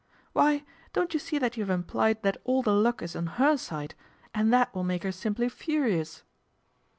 "Why, don't you see that you have implied that all the luck is on her side, and that will make her simply furious